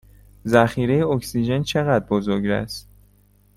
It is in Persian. ذخیره اکسیژن چه قدر بزرگ است؟